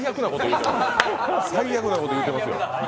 最悪なこと言うてますよ。